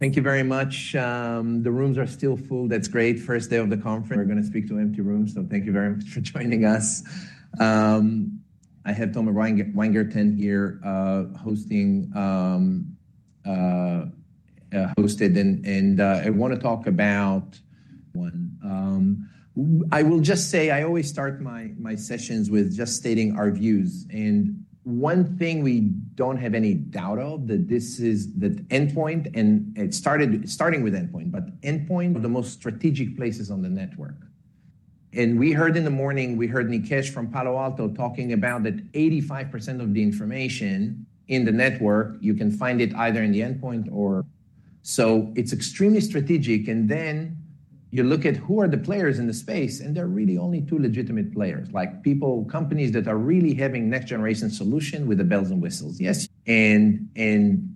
Thank you very much. The rooms are still full. That's great. First day of the conference, we're gonna speak to empty rooms, so thank you very much for joining us. I have Tomer Weingarten here hosting, and I wanna talk about one. I will just say I always start my sessions with just stating our views, and one thing we don't have any doubt of, that this is, that endpoint, and it started, starting with endpoint, but endpoint are the most strategic places on the network. And we heard in the morning, we heard Nikesh from Palo Alto talking about that 85% of the information in the network, you can find it either in the endpoint or... So it's extremely strategic, and then you look at who are the players in the space, and there are really only two legitimate players, like people, companies that are really having next generation solution with the bells and whistles. Yes, and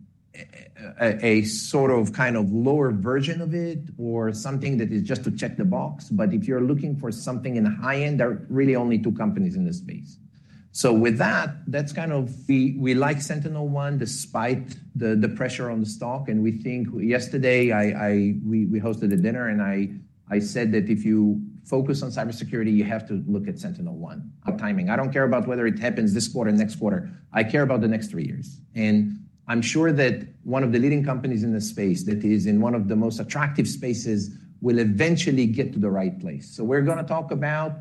a sort of kind of lower version of it or something that is just to check the box, but if you're looking for something in the high end, there are really only two companies in this space. So with that, that's kind of the we like SentinelOne despite the pressure on the stock, and we think. Yesterday, we hosted a dinner, and I said that if you focus on cybersecurity, you have to look at SentinelOne. Timing. I don't care about whether it happens this quarter, or next quarter, I care about the next three years. I'm sure that one of the leading companies in this space, that is in one of the most attractive spaces, will eventually get to the right place. So we're gonna talk about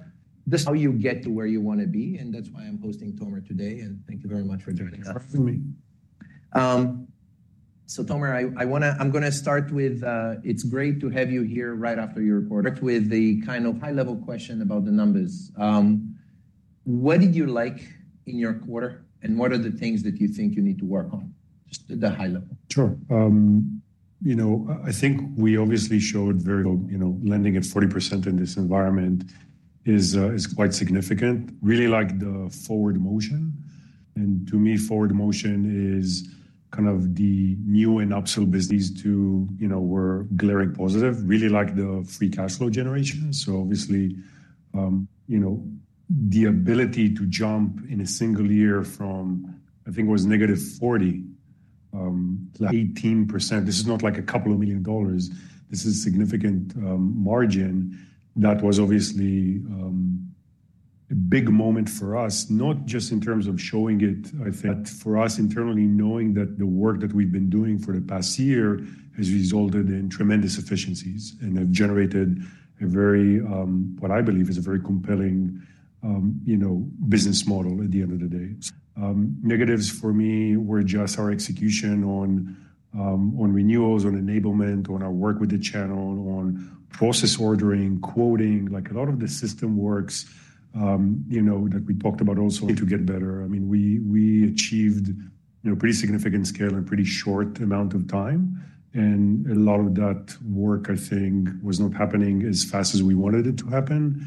this, how you get to where you wanna be, and that's why I'm hosting Tomer today, and thank you very much for joining us. Thank you for having me. So, Tomer, I wanna, I'm gonna start with, it's great to have you here right after your report. With the kind of high-level question about the numbers. What did you like in your quarter, and what are the things that you think you need to work on? Just at a high level. Sure. You know, I think we obviously showed very, you know, landing at 40% in this environment is quite significant. Really like the forward motion, and to me, forward motion is kind of the new and upsell business. These two, you know, were glaring positive. Really like the free cash flow generation. So obviously, you know, the ability to jump in a single year from, I think it was negative 40-18%. This is not like a couple of $1 million; this is significant margin. That was obviously a big moment for us, not just in terms of showing it, I think, but for us internally, knowing that the work that we've been doing for the past year has resulted in tremendous efficiencies and have generated a very what I believe is a very compelling, you know, business model at the end of the day. Negatives for me were just our execution on renewals, on enablement, on our work with the channel, on process ordering, quoting, like, a lot of the system works, you know, that we talked about also, to get better. I mean, we, we achieved, you know, pretty significant scale in a pretty short amount of time, and a lot of that work, I think, was not happening as fast as we wanted it to happen.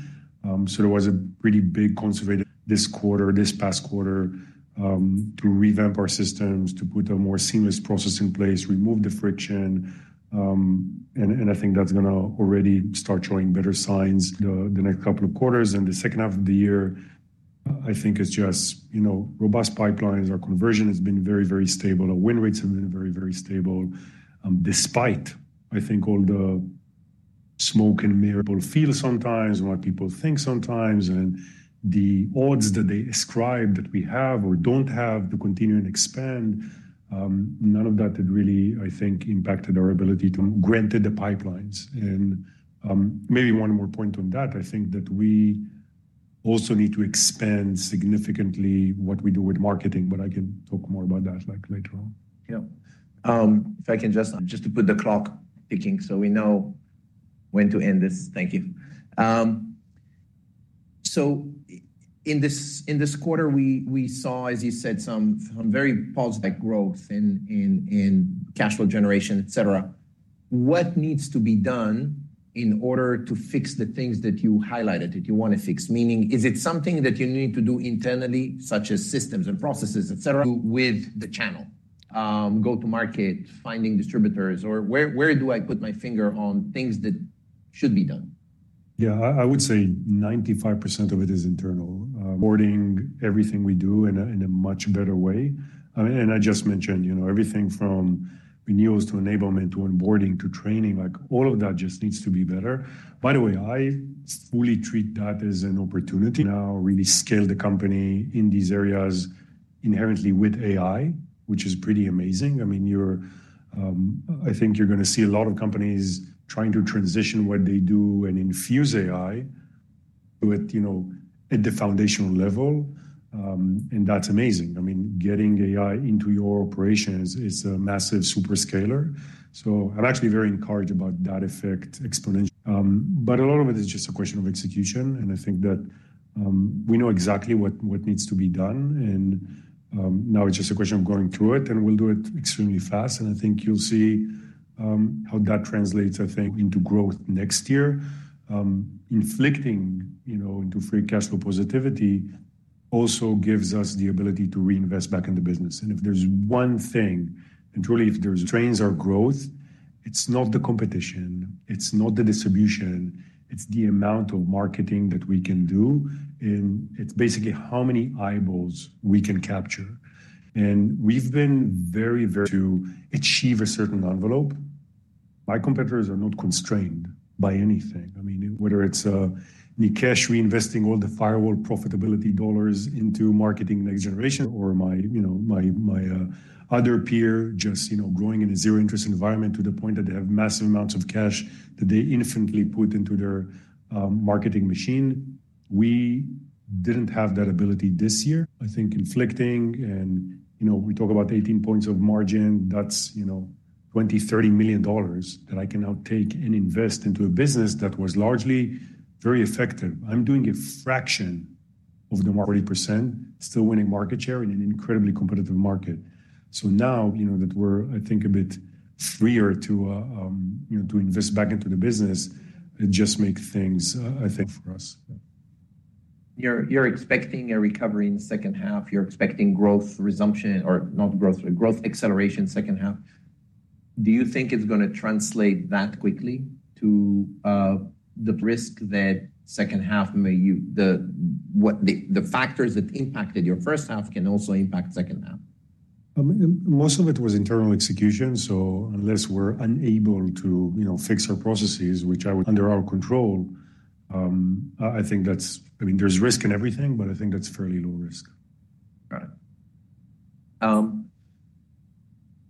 So there was a pretty big conversation this quarter, this past quarter, to revamp our systems, to put a more seamless process in place, remove the friction, and I think that's gonna already start showing better signs the next couple of quarters. And the second half of the year, I think is just, you know, robust pipelines. Our conversion has been very, very stable. Our win rates have been very, very stable, despite, I think, all the smoke and mirrors people feel sometimes and what people think sometimes, and the odds that they ascribe that we have or don't have to continue and expand, none of that had really, I think, impacted our ability to garner the pipelines. Maybe one more point on that. I think that we also need to expand significantly what we do with marketing, but I can talk more about that, like, later on. Yeah. If I can just to put the clock ticking so we know when to end this. Thank you. So in this, in this quarter, we, we saw, as you said, some, some very positive growth in, in, in cash flow generation, et cetera. What needs to be done in order to fix the things that you highlighted, that you wanna fix? Meaning, is it something that you need to do internally, such as systems and processes, et cetera, with the channel, go to market, finding distributors, or where, where do I put my finger on things that should be done? Yeah, I would say 95% of it is internal. Onboarding everything we do in a much better way. I mean, I just mentioned, you know, everything from renewals to enablement, to onboarding, to training, like, all of that just needs to be better. By the way, I fully treat that as an opportunity to now really scale the company in these areas, inherently with AI, which is pretty amazing. I mean, you're, I think you're gonna see a lot of companies trying to transition what they do and infuse AI with, you know, at the foundational level, and that's amazing. I mean, getting AI into your operations is a massive super scaler. So I'm actually very encouraged about that effect, exponential. But a lot of it is just a question of execution, and I think that we know exactly what, what needs to be done, and now it's just a question of going through it, and we'll do it extremely fast. And I think you'll see how that translates, I think, into growth next year. Inflecting, you know, into free cash flow positivity also gives us the ability to reinvest back in the business. And if there's one thing, and truly, if there's one thing that constrains our growth—it's not the competition, it's not the distribution, it's the amount of marketing that we can do, and it's basically how many eyeballs we can capture. And we've been very, very constrained to achieve a certain envelope. My competitors are not constrained by anything. I mean, whether it's Nikesh reinvesting all the firewall profitability dollars into marketing next generation, or my, you know, my other peer just, you know, growing in a zero interest environment to the point that they have massive amounts of cash that they indefinitely put into their marketing machine. We didn't have that ability this year. I think inflection and, you know, we talk about 18 points of margin, that's, you know, $20-$30 million that I can now take and invest into a business that was largely very effective. I'm doing a fraction of the market, 40%, still winning market share in an incredibly competitive market. So now, you know, that we're, I think, a bit freer to, you know, to invest back into the business, it just make things, I think, for us. You're expecting a recovery in the second half. You're expecting growth resumption, or not growth, growth acceleration second half. Do you think it's gonna translate that quickly to the risk that second half may the, what the, the factors that impacted your first half can also impact second half? Most of it was internal execution, so unless we're unable to, you know, fix our processes, which I would under our control, I think that's. I mean, there's risk in everything, but I think that's fairly low risk. Got it.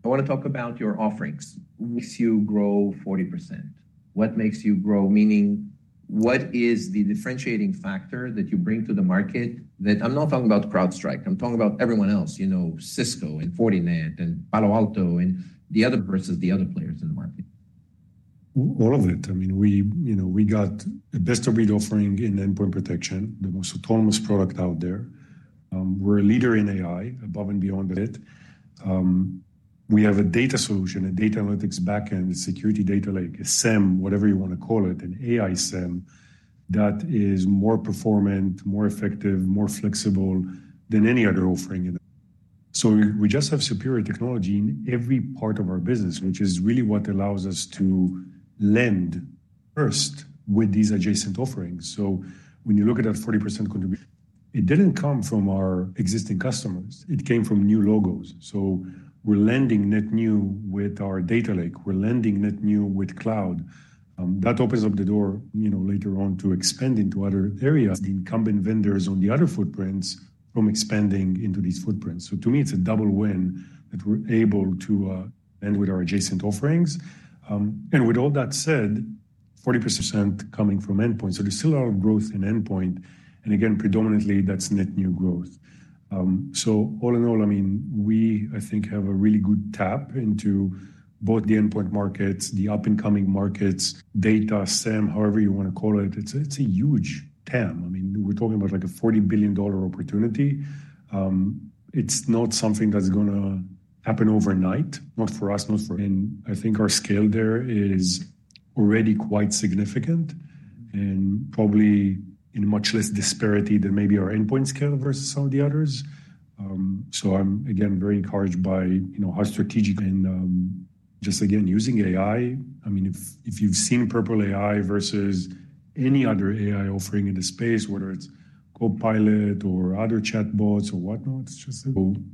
I wanna talk about your offerings. Makes you grow 40%. What makes you grow, meaning what is the differentiating factor that you bring to the market that... I'm not talking about CrowdStrike, I'm talking about everyone else, you know, Cisco and Fortinet and Palo Alto, and the other versus the other players in the market. All of it. I mean, we, you know, we got the best-of-breed offering in endpoint protection, the most autonomous product out there. We're a leader in AI, above and beyond it. We have a data solution, a data analytics back-end, security data lake, a SIEM, whatever you wanna call it, an AI SIEM, that is more performant, more effective, more flexible than any other offering in it. So we, we just have superior technology in every part of our business, which is really what allows us to lend first with these adjacent offerings. So when you look at that 40% contribution, it didn't come from our existing customers; it came from new logos. So we're lending net new with our data lake. We're lending net new with cloud. That opens up the door, you know, later on to expand into other areas, the incumbent vendors on the other footprints from expanding into these footprints. So to me, it's a double win that we're able to end with our adjacent offerings. And with all that said, 40% coming from endpoint, so there's still a lot of growth in endpoint, and again, predominantly, that's net new growth. So all in all, I mean, we, I think, have a really good tap into both the endpoint markets, the up-and-coming markets, data, SIEM, however you wanna call it. It's a huge TAM. I mean, we're talking about, like, a $40 billion opportunity. It's not something that's gonna happen overnight, not for us, not for... I think our scale there is already quite significant and probably in much less disparity than maybe our endpoint scale versus some of the others. So I'm, again, very encouraged by, you know, our strategic and, just again, using AI. I mean, if, if you've seen Purple AI versus any other AI offering in the space, whether it's Copilot or other chatbots or whatnot, it's just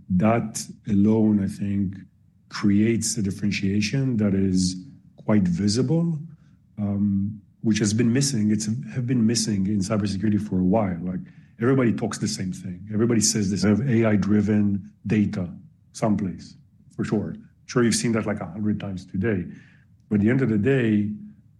that alone, I think, creates a differentiation that is quite visible, which has been missing. It's have been missing in cybersecurity for a while. Like, everybody talks the same thing. Everybody says this, "Have AI-driven data someplace," for sure. Sure, you've seen that, like, 100 times today. But at the end of the day,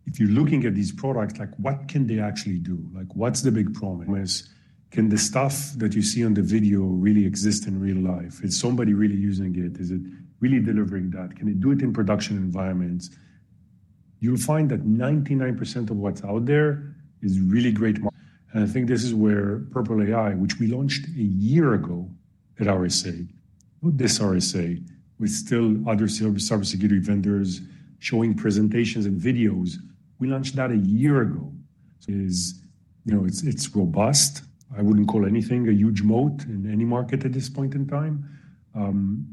if you're looking at these products, like, what can they actually do? Like, what's the big promise? Can the stuff that you see on the video really exist in real life? Is somebody really using it? Is it really delivering that? Can it do it in production environments? You'll find that 99% of what's out there is really great marketing. And I think this is where Purple AI, which we launched a year ago at RSA, not this RSA, while still other service security vendors showing presentations and videos. We launched that a year ago. You know, it's robust. I wouldn't call anything a huge moat in any market at this point in time.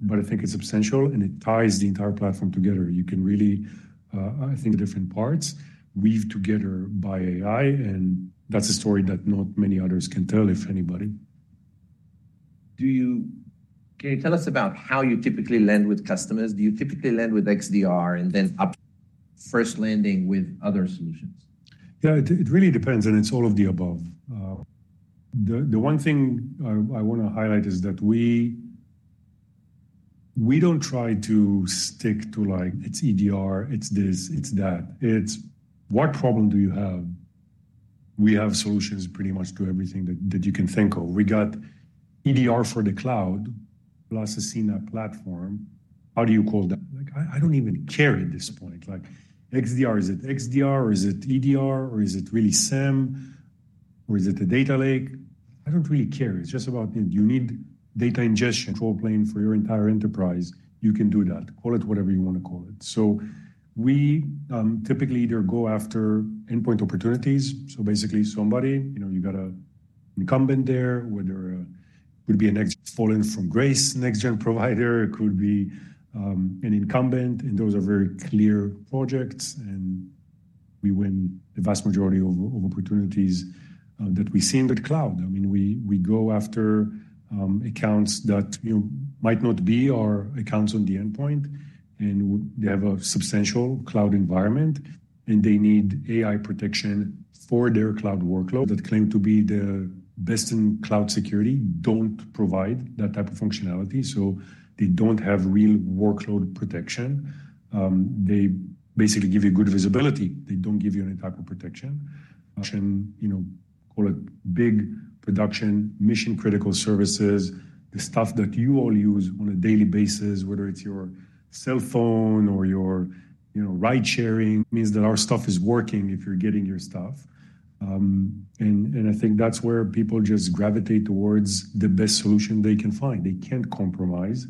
But I think it's substantial, and it ties the entire platform together. You can really, I think, different parts weave together by AI, and that's a story that not many others can tell, if anybody. Can you tell us about how you typically land with customers? Do you typically land with XDR and then first landing with other solutions? Yeah, it really depends, and it's all of the above. The one thing I wanna highlight is that we don't try to stick to, like, it's EDR, it's this, it's that. It's what problem do you have? We have solutions pretty much to everything that you can think of. We got EDR for the cloud, plus a CNAPP platform. How do you call that? Like, I don't even care at this point. Like, XDR, is it XDR, or is it EDR, or is it really SIEM, or is it a data lake? I don't really care. It's just about do you need data ingestion, control plane for your entire enterprise? You can do that. Call it whatever you wanna call it. So we typically either go after endpoint opportunities, so basically somebody, you know, you got an incumbent there, whether it could be a next fallen from grace, next-gen provider, it could be an incumbent, and those are very clear projects, and we win the vast majority of opportunities that we see in the cloud. I mean, we go after accounts that, you know, might not be our accounts on the endpoint, and they have a substantial cloud environment, and they need AI protection for their cloud workload. That claim to be the best in cloud security don't provide that type of functionality, so they don't have real workload protection. They basically give you good visibility. They don't give you any type of protection. You know, call it big production, mission-critical services, the stuff that you all use on a daily basis, whether it's your cell phone or your, you know, ride-sharing, means that our stuff is working if you're getting your stuff. I think that's where people just gravitate towards the best solution they can find. They can't compromise.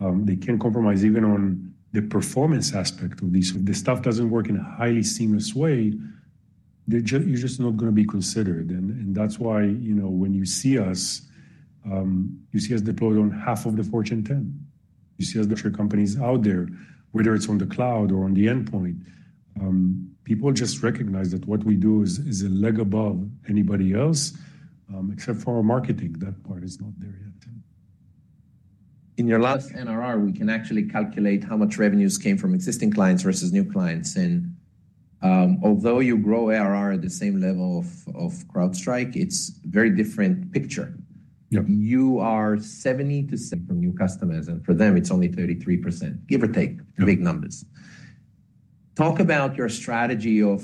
They can't compromise even on the performance aspect of this. If this stuff doesn't work in a highly seamless way, they're just not gonna be considered, and that's why, you know, when you see us, you see us deployed on half of the Fortune 10. You see us, the companies out there, whether it's on the cloud or on the endpoint, people just recognize that what we do is a leg above anybody else, except for our marketing. That part is not there yet. In your last NRR, we can actually calculate how much revenues came from existing clients versus new clients, and although you grow ARR at the same level of CrowdStrike, it's a very different picture. Yeah. You are 76 from new customers, and for them, it's only 33%, give or take- Yeah... the big numbers. Talk about your strategy of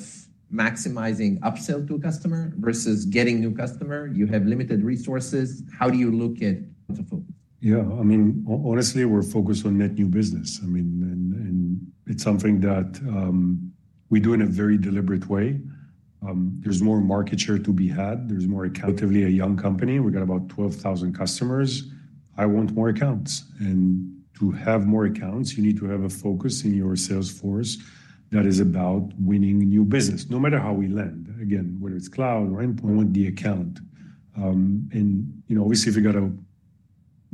maximizing upsell to a customer versus getting new customer. You have limited resources. How do you look at tons of focus? Yeah, I mean, honestly, we're focused on net new business. I mean, it's something that we do in a very deliberate way. There's more market share to be had. There's more account-wise, we're a young company. We got about 12,000 customers. I want more accounts, and to have more accounts, you need to have a focus in your sales force that is about winning new business, no matter how we land, again, whether it's cloud or endpoint, I want the account. And, you know, obviously, if you got a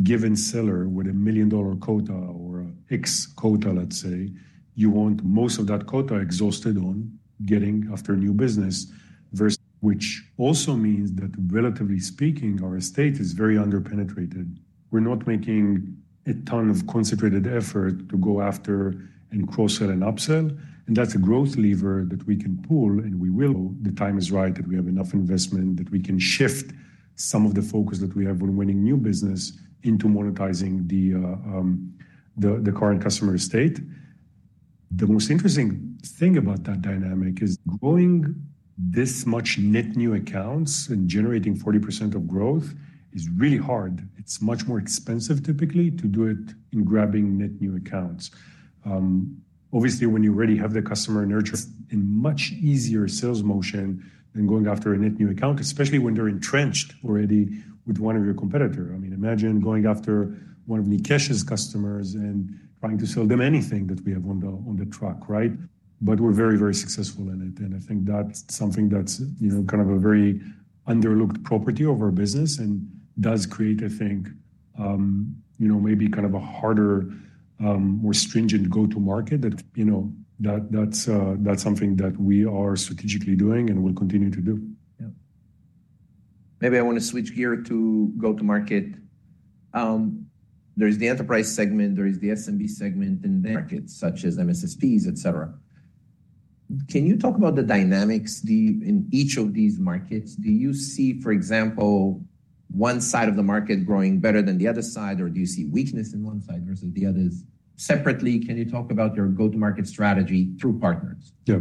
given seller with a million-dollar quota or a X quota, let's say, you want most of that quota exhausted on getting after new business versus... Which also means that relatively speaking, our estate is very underpenetrated. We're not making a ton of concentrated effort to go after and cross-sell and upsell, and that's a growth lever that we can pull, and we will. The time is right, that we have enough investment, that we can shift some of the focus that we have on winning new business into monetizing the current customer estate. The most interesting thing about that dynamic is growing this much net new accounts and generating 40% of growth is really hard. It's much more expensive typically to do it in grabbing net new accounts. Obviously, when you already have the customer nurture in much easier sales motion than going after a net new account, especially when they're entrenched already with one of your competitor. I mean, imagine going after one of Nikesh's customers and trying to sell them anything that we have on the, on the track, right? But we're very, very successful in it, and I think that's something that's, you know, kind of a very underlooked property of our business and does create, I think, you know, maybe kind of a harder, more stringent go-to-market that, you know, that, that's something that we are strategically doing and will continue to do. Yeah. Maybe I want to switch gear to go to market. There's the enterprise segment, there is the SMB segment, and the market, such as MSSPs, et cetera. Can you talk about the dynamics in each of these markets? Do you see, for example, one side of the market growing better than the other side, or do you see weakness in one side versus the others? Separately, can you talk about your go-to-market strategy through partners? Yeah.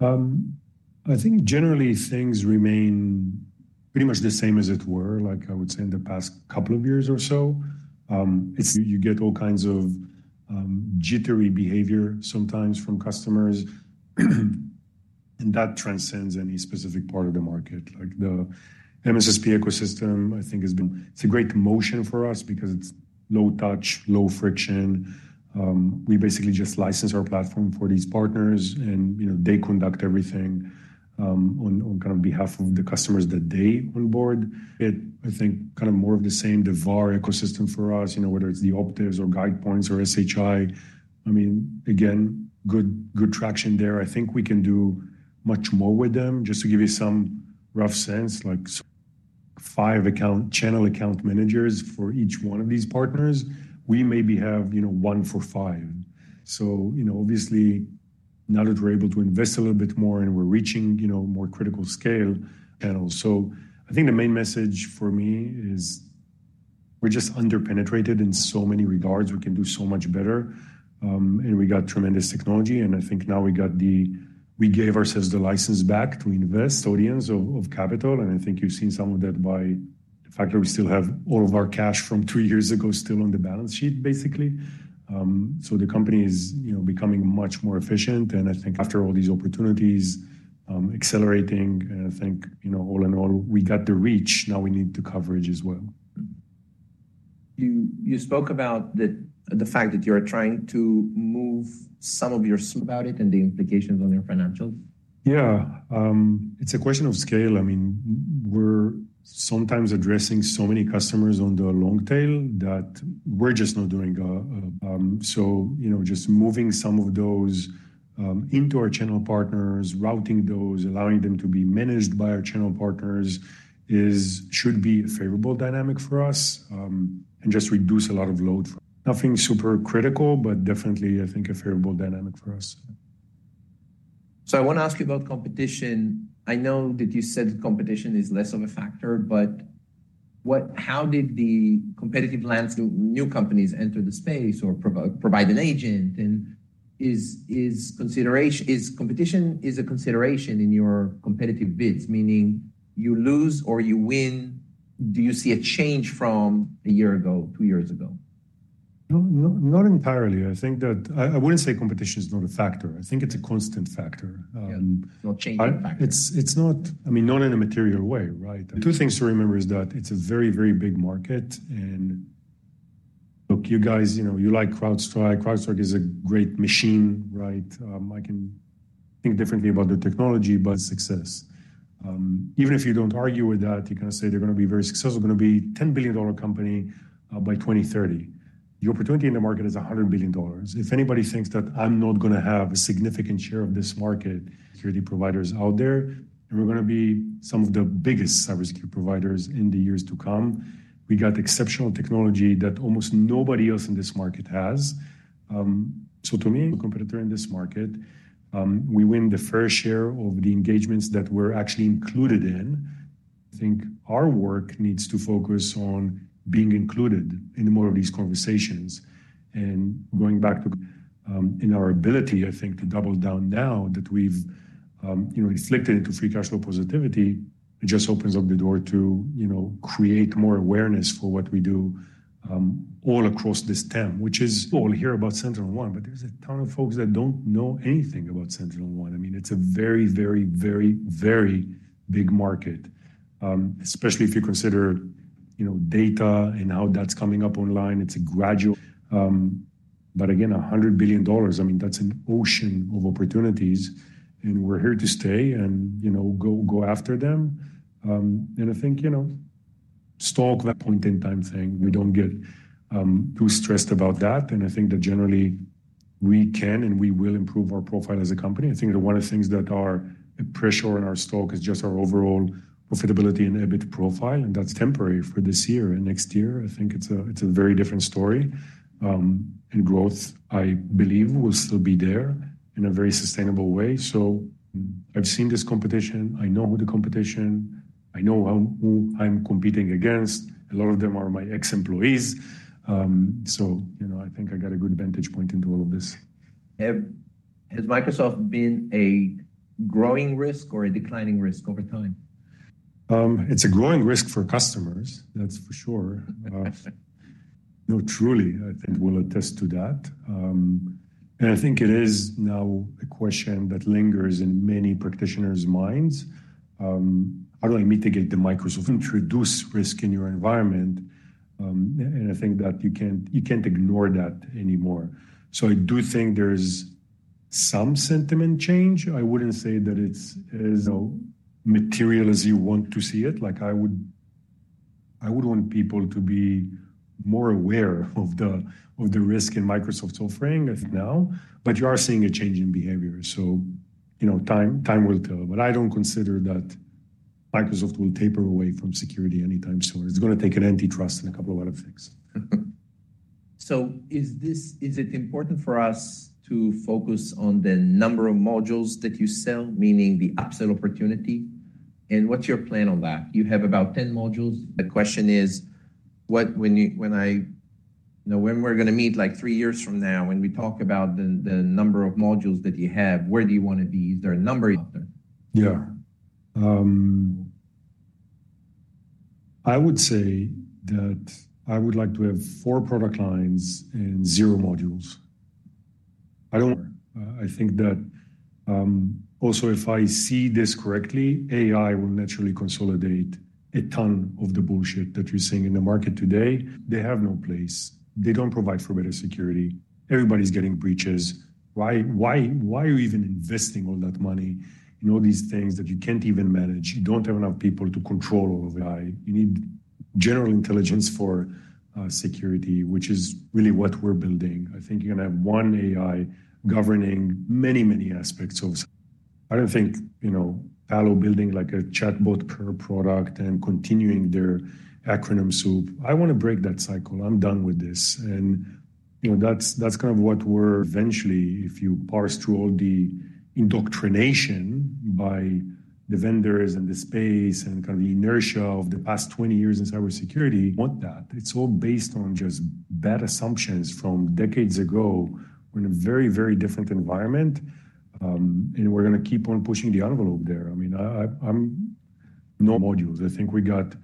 I think generally, things remain pretty much the same as it were, like I would say in the past couple of years or so. It's, you get all kinds of, jittery behavior sometimes from customers, and that transcends any specific part of the market. Like the MSSP ecosystem, I think has been, it's a great motion for us because it's low touch, low friction. We basically just license our platform for these partners, and, you know, they conduct everything, on kind of behalf of the customers that they onboard. It, I think, kind of more of the same, the VAR ecosystem for us, you know, whether it's the Optiv or GuidePoint or SHI. I mean, again, good, good traction there. I think we can do much more with them. Just to give you some rough sense, like 5 account, channel account managers for each one of these partners, we maybe have, you know, 1 for 5. So, you know, obviously, now that we're able to invest a little bit more and we're reaching, you know, more critical scale, and also, I think the main message for me is we're just underpenetrated in so many regards. We can do so much better, and we got tremendous technology, and I think now we gave ourselves the license back to invest an amount of capital, and I think you've seen some of that by the fact that we still have all of our cash from 3 years ago still on the balance sheet, basically. The company is, you know, becoming much more efficient, and I think after all these opportunities, accelerating, and I think, you know, all in all, we got the reach, now we need the coverage as well.... You spoke about the fact that you're trying to move some of your-- about it and the implications on your financials? Yeah, it's a question of scale. I mean, we're sometimes addressing so many customers on the long tail that we're just not doing a, so, you know, just moving some of those into our channel partners, routing those, allowing them to be managed by our channel partners is, should be a favorable dynamic for us, and just reduce a lot of load. Nothing super critical, but definitely, I think, a favorable dynamic for us. So I want to ask you about competition. I know that you said competition is less of a factor, but what—how did the competitive landscape, new companies enter the space or provide an agent, and is competition a consideration in your competitive bids, meaning you lose or you win? Do you see a change from a year ago, two years ago? No, not entirely. I think that... I wouldn't say competition is not a factor. I think it's a constant factor. Yeah, not changing factor. It's not—I mean, not in a material way, right? Two things to remember is that it's a very, very big market, and look, you guys, you know, you like CrowdStrike. CrowdStrike is a great machine, right? I can think differently about the technology, but success. Even if you don't argue with that, you kinda say they're gonna be very successful. They're gonna be a $10 billion company by 2030. The opportunity in the market is $100 billion. If anybody thinks that I'm not gonna have a significant share of this market, security providers out there, and we're gonna be some of the biggest cybersecurity providers in the years to come. We got exceptional technology that almost nobody else in this market has. So to me, a competitor in this market, we win the fair share of the engagements that we're actually included in. I think our work needs to focus on being included in more of these conversations and going back to, in our ability, I think, to double down now that we've, you know, inflected into free cash flow positivity, it just opens up the door to, you know, create more awareness for what we do, all across the SIEM, which is all here about SentinelOne, but there's a ton of folks that don't know anything about SentinelOne. I mean, it's a very, very, very, very big market, especially if you consider, you know, data and how that's coming up online. It's a gradual... but again, $100 billion, I mean, that's an ocean of opportunities, and we're here to stay and, you know, go, go after them. And I think, you know, stock, that point in time thing, we don't get, too stressed about that, and I think that generally, we can and we will improve our profile as a company. I think that one of the things that are a pressure on our stock is just our overall profitability and EBIT profile, and that's temporary for this year and next year. I think it's a, it's a very different story, and growth, I believe, will still be there in a very sustainable way. So I've seen this competition. I know the competition. I know who I'm competing against. A lot of them are my ex-employees. So, you know, I think I got a good vantage point into all of this. Has Microsoft been a growing risk or a declining risk over time? It's a growing risk for customers, that's for sure. No, truly, I think we'll attest to that. And I think it is now a question that lingers in many practitioners' minds. How do I mitigate the Microsoft-introduced risk in your environment? And I think that you can't, you can't ignore that anymore. So I do think there's some sentiment change. I wouldn't say that it's as material as you want to see it. Like, I would, I would want people to be more aware of the, of the risk in Microsoft's offering as of now, but you are seeing a change in behavior, so you know, time, time will tell. But I don't consider that Microsoft will taper away from security anytime soon. It's gonna take an antitrust and a couple of other things. So, is it important for us to focus on the number of modules that you sell, meaning the upsell opportunity, and what's your plan on that? You have about 10 modules. The question is, what, when you, when I... You know, when we're gonna meet, like, 3 years from now, when we talk about the, the number of modules that you have, where do you want to be? Is there a number out there? Yeah. I would say that I would like to have four product lines and zero modules. I don't. I think that also, if I see this correctly, AI will naturally consolidate a ton of the bullshit that you're seeing in the market today. They have no place. They don't provide for better security. Everybody's getting breaches. Why, why, why are you even investing all that money in all these things that you can't even manage? You don't have enough people to control all of AI. You need general intelligence for security, which is really what we're building. I think you're gonna have one AI governing many, many aspects of. I don't think, you know, Palo building like a chatbot per product and continuing their acronym soup. I want to break that cycle. I'm done with this, and, you know, that's kind of what we're—Eventually, if you parse through all the indoctrination by the vendors and the space and kind of the inertia of the past 20 years in cybersecurity, want that. It's all based on just bad assumptions from decades ago in a very, very different environment, and we're gonna keep on pushing the envelope there. I mean, I'm—no modules. I think we got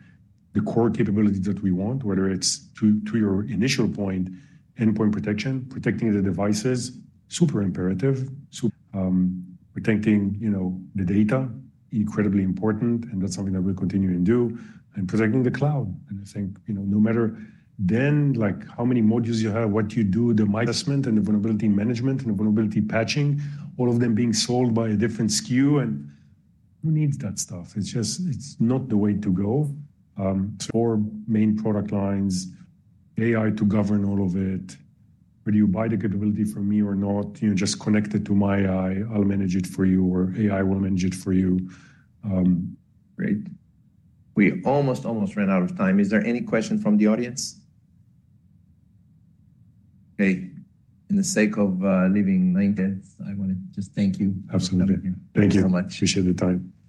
the core capabilities that we want, whether it's to your initial point, endpoint protection, protecting the devices, super imperative. So, protecting, you know, the data, incredibly important, and that's something that we'll continue to do, and protecting the cloud. And I think, you know, no matter then, like, how many modules you have, what you do, the investment and the vulnerability management and vulnerability patching, all of them being sold by a different SKU, and who needs that stuff? It's just, it's not the way to go. So four main product lines, AI to govern all of it. Whether you buy the capability from me or not, you know, just connect it to my AI, I'll manage it for you, or AI will manage it for you. Great. We almost, almost ran out of time. Is there any question from the audience? Okay, in the sake of leaving 9:10, I wanna just thank you- Absolutely. Thank you so much. Thank you. Appreciate the time.